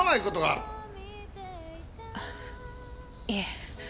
あっいえ。